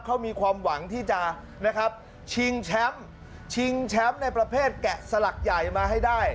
เขามีความหวังที่จะนะครับชิงแชมป์ชิงแชมป์ในประเภทแกะสลักใหญ่มาให้ได้